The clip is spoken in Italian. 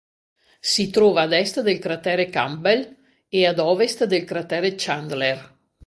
Si trova ad est del cratere Campbell e ad ovest del cratere Chandler.